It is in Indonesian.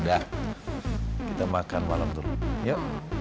udah kita makan malam dulu ya